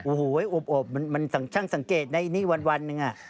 โอ้โหอบมันช่างสังเกตในนี้วันหนึ่ง